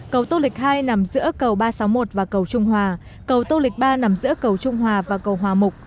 cầu tô lịch hai nằm giữa cầu ba trăm sáu mươi một và cầu trung hòa cầu tô lịch ba nằm giữa cầu trung hòa và cầu hòa mục